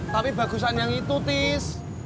tapi bagusan yang itu tis